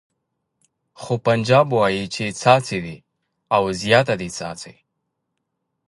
خو پنجاب وایي چې څاڅي دې او زیاته دې څاڅي.